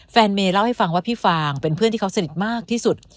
เมย์เล่าให้ฟังว่าพี่ฟางเป็นเพื่อนที่เขาสนิทมากที่สุด